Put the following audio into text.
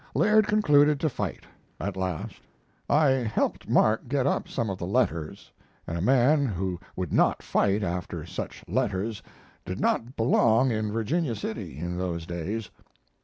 Laird concluded to fight, at last. I helped Mark get up some of the letters, and a man who would not fight after such letters did not belong in Virginia City in those days.